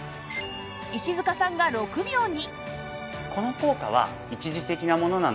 石塚さんが６秒に